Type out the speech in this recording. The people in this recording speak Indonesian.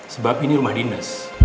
sebab ini rumah dinas